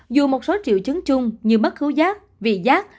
dù một số triệu chứng chung như mất khứ giác vị giác